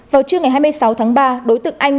vào trưa ngày hai mươi sáu tháng ba đối tượng anh